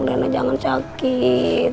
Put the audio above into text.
rena jangan sakit